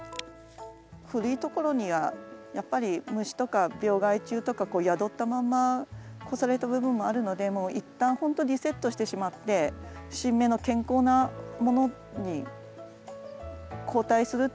古いところにはやっぱり虫とか病害虫とか宿ったまんま越された部分もあるのでもう一旦ほんとリセットしてしまって新芽の健康なものに交代するっていうのもあります。